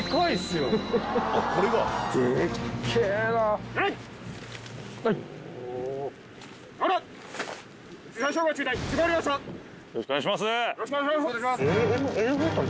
よろしくお願いします。